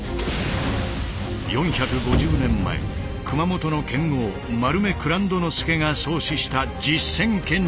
４５０年前熊本の剣豪丸目蔵人佐が創始した実戦剣術だ。